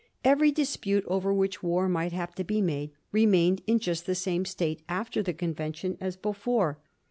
Every dispute over which war might have to be made remained in just the same state after the conven tion as before.